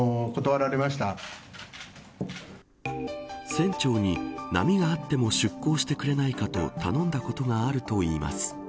船長に、波があっても出港してくれないかと頼んだことがあるといいます。